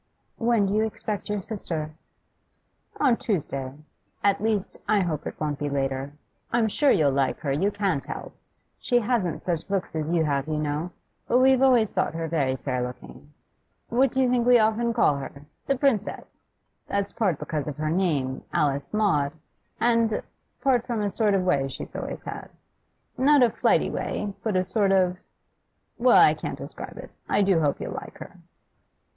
'When do you expect your sister?' 'On Tuesday; at least, I hope it won't be later. I'm sure you'll like her, you can't help. She hasn't such looks as you have, you know, but we've always thought her very fair looking. What do you think we often call her? The Princess! That's part because of her name, Alice Maud, and part from a sort of way she's always had. Not a flighty way, but a sort of well, I can't describe it. I do hope you'll like her.